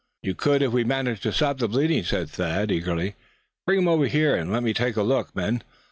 "You could, if we managed to stop that bleeding," said Thad, eagerly. "Bring him over here, and let me take a look, men.